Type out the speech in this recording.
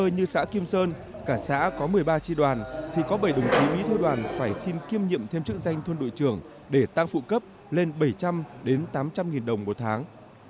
như xã kim sơn cả xã có một mươi ba tri đoàn thì có bảy đồng chí bí thư đoàn phải xin kiêm nhiệm thêm chức danh thôn đội trưởng để tăng phụ cấp lên bảy trăm linh tám trăm linh đồng một tháng